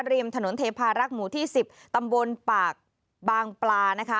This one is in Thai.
ริมถนนเทพารักษ์หมู่ที่๑๐ตำบลปากบางปลานะคะ